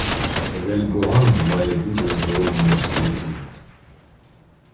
Гельґоланд має дуже здоровий морський клімат.